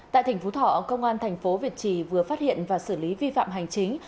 tại tp thọ công an tp việt trì vừa phát hiện và xử lý vi phạm hành chính